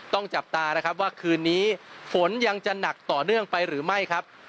จับตานะครับว่าคืนนี้ฝนยังจะหนักต่อเนื่องไปหรือไม่ครับ